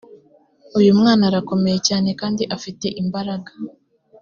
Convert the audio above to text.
uyu mwana arakomeye cyane kandi afite imbaraga